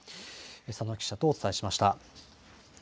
佐野記者とお伝えしました。